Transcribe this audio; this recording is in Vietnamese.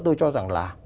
tôi cho rằng là